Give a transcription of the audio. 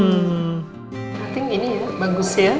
i think ini ya bagus ya